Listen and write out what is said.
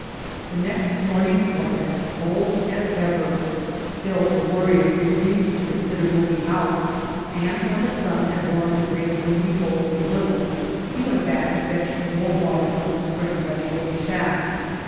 The next morning was as cold as ever. Still the Worrier refused to consider moving out, and when the sun had warmed the great windy bowl a little, he went back to fetch more water from the spring by the old shack.